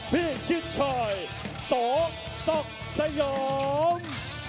พี่ชิคช่อยสกสกสยอม